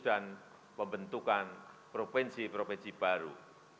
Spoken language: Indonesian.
dan pembentukan provinsi provinsi baru